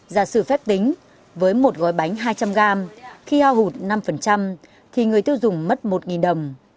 giả sử phép tính với một gói bánh hai trăm linh gram khi ao hụt năm thì người tiêu dùng mất một đồng